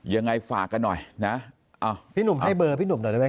ยังไงฝากกันหน่อย